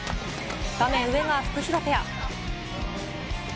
画面上がフクヒロペア。